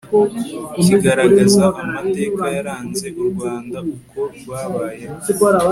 kigaragaza amateka yaranze u rwanda, uko rwabayeho